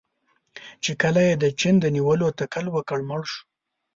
چې کله یې د چین د نیولو تکل وکړ، مړ شو.